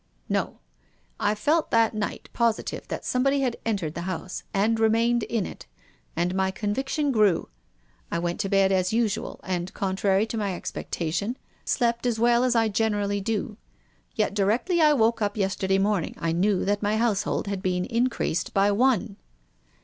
" No. I felt tliat night positive that somebody had entered the house, and remained in it, and my conviction grew. I went to bed as usual, and, contrary to my expectation, slept as well as I 290 TONGUES OF CONSCIENCE. generally do. Yet directly I woke up yesterday morning I knew that my household had been in creased by one."